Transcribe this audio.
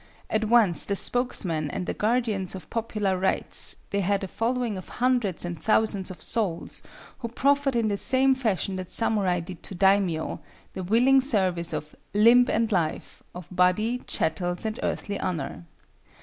At once the spokesmen and the guardians of popular rights, they had each a following of hundreds and thousands of souls who proffered in the same fashion that samurai did to daimio, the willing service of "limb and life, of body, chattels and earthly honor."